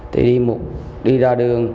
thì đi ra đường